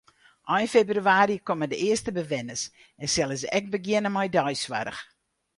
Ein febrewaarje komme de earste bewenners en sille se ek begjinne mei deisoarch.